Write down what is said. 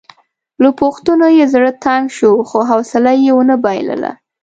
له پوښتنو یې زړه تنګ شو خو حوصله مې ونه بایلله.